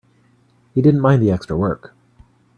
He didn't mind the extra work.